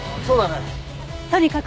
そうだね。